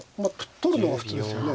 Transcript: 取るのが普通ですよね。